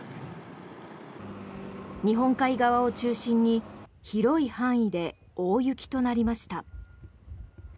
日本海側を中心に広い範囲で大雪となりました。